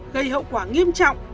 gây hậu quả nghiêm trọng